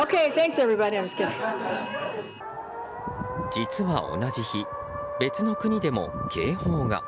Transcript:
実は同じ日、別の国でも警報が。